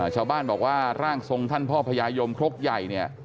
ชาวบ้านบอกว่าร่างทรงท่านพ่อพญายมครกใหญ่เนี่ย